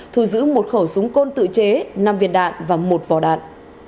thu giữ một khẩu súng côn tự chế năm viên đạn và một vỏ đạn